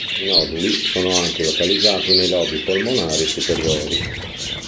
I noduli sono anche localizzati nei lobi polmonari superiori.